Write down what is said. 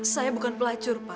saya bukan pelacur pak